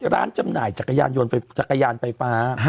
ร้านจำหน่ายจักรยานยนต์แฟฟ้า